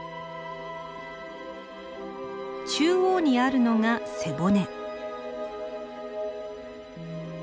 中央にあるのが背骨。